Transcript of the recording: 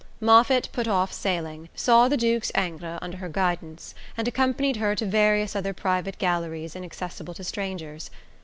Moffatt put off sailing, saw the Duke's Ingres under her guidance, and accompanied her to various other private galleries inaccessible to strangers.